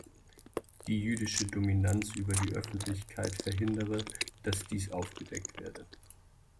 Die jüdische Dominanz über die Öffentlichkeit verhindere, dass dies aufgedeckt werde.